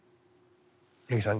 八木さん